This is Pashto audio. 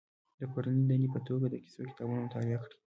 د کورنۍ دندې په توګه د کیسو کتابونه مطالعه کړي.